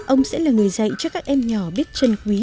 ông sẽ là người dạy cho các em nhỏ biết chân quý